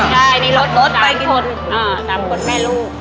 ใช่ในรถ๓คนแม่ลูก